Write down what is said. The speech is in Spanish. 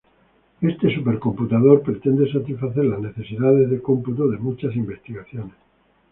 Este supercomputador pretende satisfacer las necesidades de cómputo de muchas investigaciones.